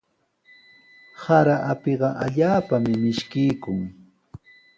Sara apiqa allaapami mishkiykun.